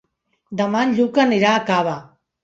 Demà en Lluc anirà a Cava.